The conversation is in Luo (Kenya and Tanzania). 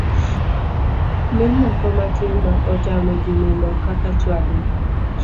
Lee moko matindo otamo jii nindo kaka chwarni